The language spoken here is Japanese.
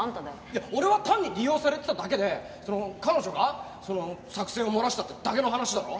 いや俺は単に利用されてただけでその彼女が作戦を漏らしたってだけの話だろ？